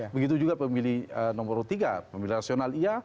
begitu juga pemilih nomor tiga pemilih rasional iya